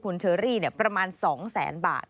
คุณเชอรี่เนี่ยประมาณ๒๐๐๐๐๐บาท